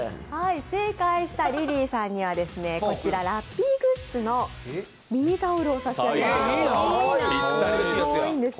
正解したリリーさんにはラッピーグッズのミニタオルを差し上げます。